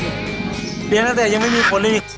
เลี้ยงตั้งแต่ยังไม่มีผลอีก